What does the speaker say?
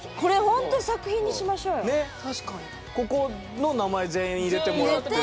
ここの名前全員入れてもらって。